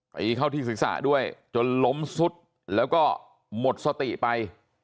ไปเข้าที่ศีรษะด้วยจนล้มซุดแล้วก็หมดสติไป